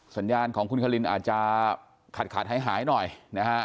สัญญาณของคุณคลินอาจจะขาดขาดหายหน่อยนะฮะ